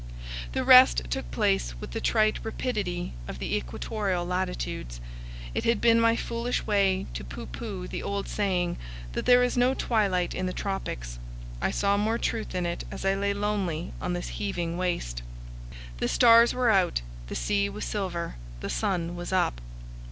The rest took place with the trite rapidity of the equatorial latitudes. It had been my foolish way to pooh pooh the old saying that there is no twilight in the tropics. I saw more truth in it as I lay lonely on this heaving waste. The stars were out; the sea was silver; the sun was up.